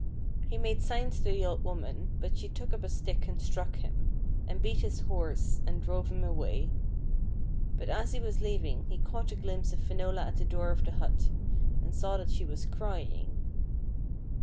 He made signs to the old woman, but she took up a stick and struck him, and beat his horse and drove him away ; but as he was leaving he caught a glimpse of Finola at the door of the hut, and saw that she was crying.